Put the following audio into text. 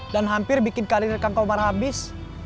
dan hampir bikin karir kang komar habis